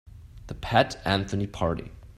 The Pat Anthony Party.